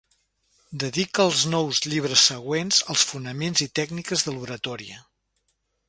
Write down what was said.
Dedica els nou llibres següents als fonaments i tècniques de l'oratòria.